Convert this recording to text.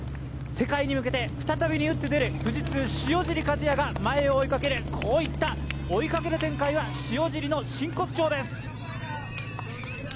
世界に向けて再び打って出る富士通・塩尻和也が前を追いかける、こういった追いかける展開は塩尻の真骨頂です。